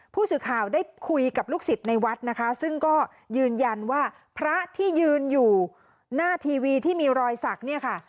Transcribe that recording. ผู้สื่อข่าวได้คุยกับลูกศิษย์ในวัดนะคะซึ่งก็ยืนยันว่าพระที่ยืนอยู่หน้าทีวีที่มีรอยสักเนี่ยค่ะ